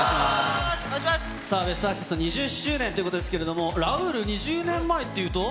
『ベストアーティスト』２０周年ということですけど、ラウール、２０年前っていうと。